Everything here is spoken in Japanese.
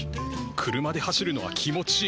車で走るのは気持ちいい。